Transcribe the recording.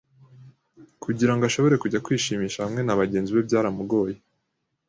kugirango ashobore kujya kwishimisha hamwe nabagenzi be byaramugoye.